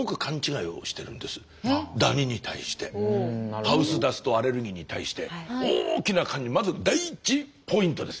ダニに対してハウスダストアレルギーに対して大きなまず第１ポイントです。